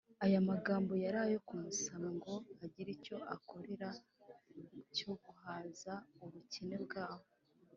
” Aya magambo yari ayo kumusaba ngo agire icyo abakorera cyo guhaza ubukene bwabo